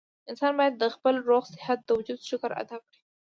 انسان بايد د خپل روغ صحت د وجود شکر ادا کړي